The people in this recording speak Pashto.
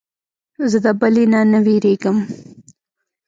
زه د بلې نه وېرېږم.